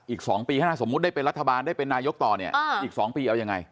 อีก๒ปีข้างหน้าสมมุติได้เป็นรัฐบาลได้เป็นนายกต่อเนี่ยอีก๒ปีเอายังไง